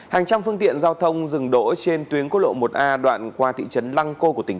hàng trăm phương tiện giao thông dừng đỗ trên tuyến quốc lộ một a đoạn qua thị trấn lăng cô của tỉnh